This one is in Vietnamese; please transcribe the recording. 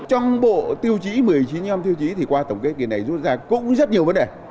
trong bộ tiêu chí một mươi chín mươi năm tiêu chí thì qua tổng kết kỳ này rút ra cũng rất nhiều vấn đề